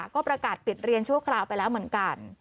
ก็ประกาศปิดเรียนชั่วคราวไปแล้วเหมือนกัน